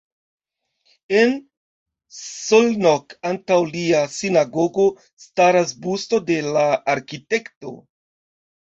En Szolnok antaŭ lia sinagogo staras busto de la arkitekto.